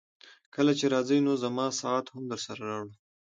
کله چي راځې نو زما ساعت هم درسره راوړه.